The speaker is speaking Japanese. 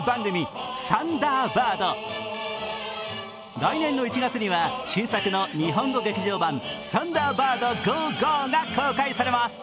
来年の１月には新作の日本語劇場版「サンダーバード５５／ＧＯＧＯ」が公開されます。